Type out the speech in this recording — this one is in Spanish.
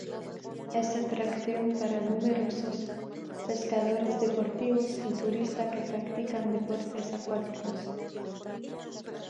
Es atracción para numerosos pescadores deportivos y turistas que practican deportes acuáticos.